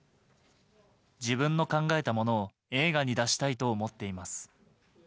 自分の考えたものを映画に出したいと思っています。